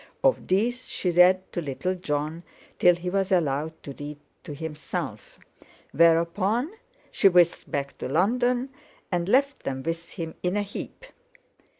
Of these she read to little Jon, till he was allowed to read to himself; whereupon she whisked back to London and left them with him in a heap.